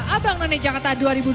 abang none jakarta dua ribu dua puluh